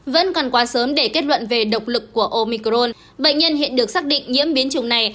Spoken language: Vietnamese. vẫn còn quá sớm để kết luận về độc lực của omicron bệnh nhân hiện được xác định nhiễm biến trùng này